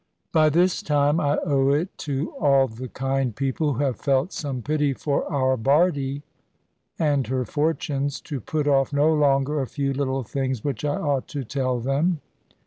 By this time I owe it to all the kind people who have felt some pity for our Bardie and her fortunes, to put off no longer a few little things which I ought to tell them.